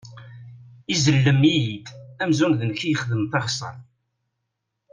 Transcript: Izellem-iyi-d amzun d nekk i ixedmen taxeṣṣaṛt!